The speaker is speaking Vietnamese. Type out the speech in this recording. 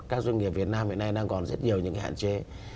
các doanh nghiệp việt nam hiện nay đang còn rất nhiều những cái hạn chế